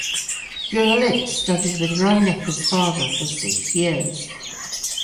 Gurlitt studied with Reinecke's father for six years.